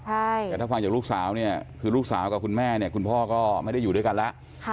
แต่ถ้าฟังจากลูกสาวคุณพ่อก็ไม่ได้อยู่ด้วยกันละ